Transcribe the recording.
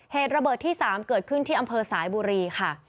เหตุระเบิดที่๓เกิดขึ้นที่อำเภอสายบุรีค่ะ